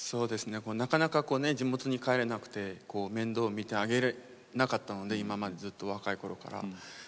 なかなか地元に帰れなくて面倒見てあげられなかったので今までずっと若い頃から。